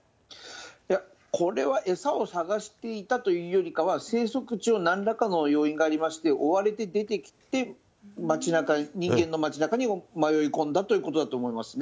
いや、これは餌を探していたというよりかは、生息地をなんらかの要因がありまして、追われて出てきて、街なかに、人間の街なかに迷い込んだということだと思いますね。